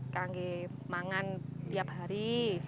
kangen makan tiap hari